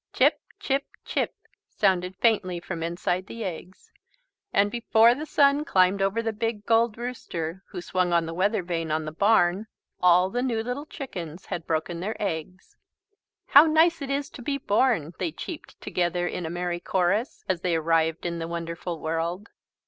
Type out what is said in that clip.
"Chip, chip, chip," sounded faintly from inside the eggs. And before the sun climbed over the Big Gold Rooster, who swung on the weather vane on the barn, all the new little chickens had broken their eggs. "How nice it is to be born!" they cheeped together in a merry chorus, as they arrived in the wonderful world.